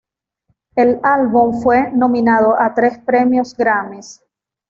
El álbum fue nominados a tres Premios Grammys.